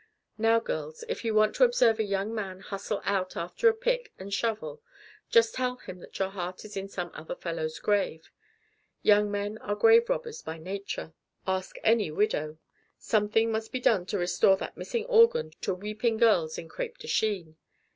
Now, girls, if you want to observe a young man hustle out after a pick and shovel, just tell him that your heart is in some other fellow's grave. Young men are grave robbers by nature. Ask any widow. Something must be done to restore that missing organ to weeping girls in crêpe de Chine.